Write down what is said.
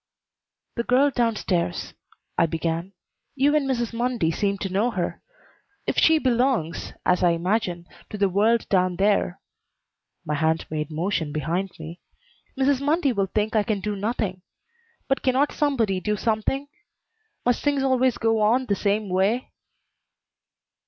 "The girl down stairs," I began. "You and Mrs. Mundy seem to know her. If she belongs, as I imagine, to the world down there," my hand made motion behind me, "Mrs. Mundy will think I can do nothing. But cannot somebody do something? Must things always go on the same way?"